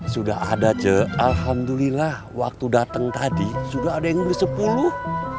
sudah ada ce alhamdulillah waktu datang tadi sudah ada yang nulis sepuluh